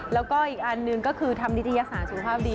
แล้วก็อีกอันหนึ่งก็คือทำนิตยสารสุขภาพดี